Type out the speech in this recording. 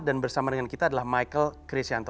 dan bersama dengan kita adalah michael christianto